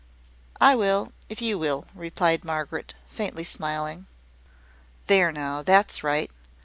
"I will, if you will," replied Margaret, faintly smiling. "There now, that's right!